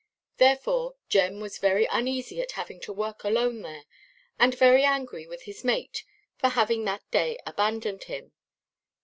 Therefore Jem was very uneasy at having to work alone there, and very angry with his mate for having that day abandoned him.